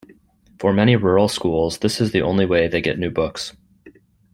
For many rural schools, this is the only way they get new books.